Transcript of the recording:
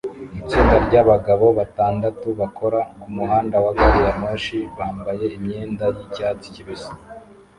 Itsinda ryabagabo batandatu bakora kumuhanda wa gari ya moshi bambaye imyenda yicyatsi kibisi